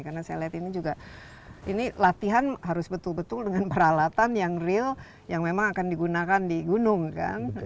karena saya lihat ini juga ini latihan harus betul betul dengan peralatan yang real yang memang akan digunakan di gunung kan